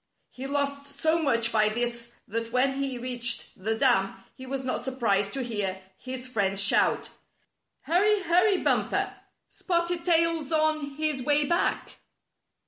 He lost so much by this that when he reached the dam, he was not surprised to hear his friends shout : "Hurry! Hurry, Bumper! Spotted Tail's on his way back!